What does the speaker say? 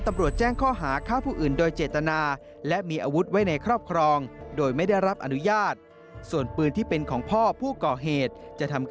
ตำรวจแจ้งข้อหาค้าผู้อื่นโดยเจตนา